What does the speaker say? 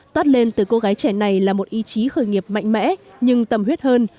toát lên từ cô gái trẻ này là một ý chí khởi nghiệp mạnh mẽ nhưng tâm huyết hơn